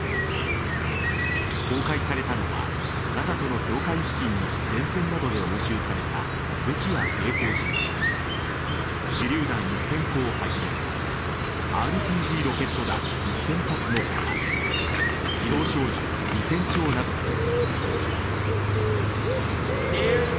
公開されたのはガザとの境界付近の前線などで押収された武器や携行品で手りゅう弾１０００個をはじめＲＰＧロケット弾１０００発の他自動小銃２０００丁などです。